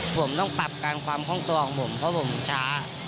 ผมต้องปรับการความคล่องตัวของผมเพราะผมช้า